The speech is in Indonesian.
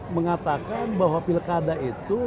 mengatakan bahwa pilkada itu